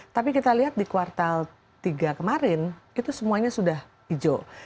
tapi kita lihat di kuartal tiga kemarin itu semuanya sudah hijau